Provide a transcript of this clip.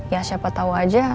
ya siapa tau aja